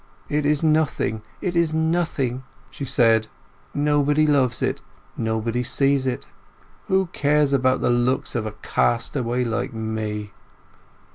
"It is nothing—it is nothing!" she said. "Nobody loves it; nobody sees it. Who cares about the looks of a castaway like me!"